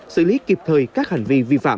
xử lý kịp thời các hành vi vi phạm